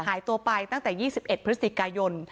หายตัวไปตั้งแต่๒๑พฤศจิกายน